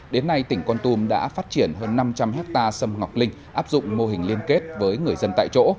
đến nay tỉnh con tum đã phát triển hơn năm trăm linh hectare sâm ngọc linh áp dụng mô hình liên kết với người dân tại chỗ